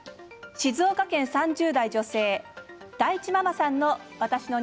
静岡県３０代女性。